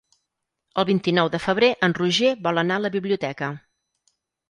El vint-i-nou de febrer en Roger vol anar a la biblioteca.